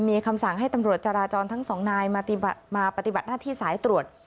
มีคำสั่งให้ตำรวจจราจรทั้งสองนายมาปฏิบัติหน้าที่สายตรวจ